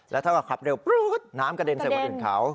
แล้วเท่ากับขับเร็วน้ำกระเด็นเสร็จอื่นเขา